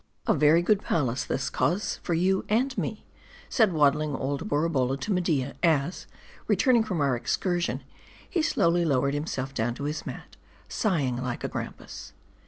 " A VERY good palace, this, coz, for you and me," said waddling old Borabolla to Media, as, returned from our excursion, he slowly lowered himself down to his mat, sigh ing like a grampus.